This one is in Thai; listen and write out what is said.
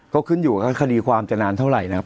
ก็ขึ้นอยู่กับคดีความจะนานเท่าไหร่นะครับ